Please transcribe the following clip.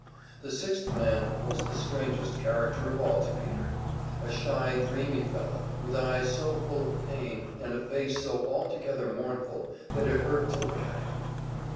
The sixth man was the strangest character of all to Peter; a shy, dreamy fellow with eyes so full of pain and a face so altogether mournful that it hurt to look at him.